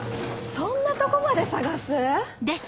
そんなとこまで捜す？